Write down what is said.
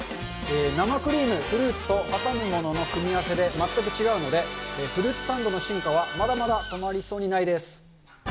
生クリームとフルーツ、挟むものの組み合わせで全く違うので、フルーツサンドの進化はまだまだ止まりそうにないです。